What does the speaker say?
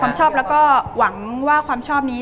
ความชอบแล้วก็หวังว่าความชอบนี้